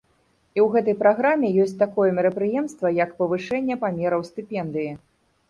І ў гэтай праграме ёсць такое мерапрыемства, як павышэнне памераў стыпендыі.